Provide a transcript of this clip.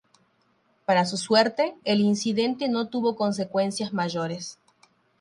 Para su suerte el incidente no tuvo consecuencias mayores.